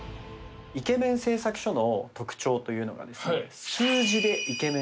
イケメン製作所の特徴というのがですね。